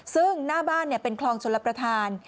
ซึ่งหน้าบ้านเป็นคลองชลประธาน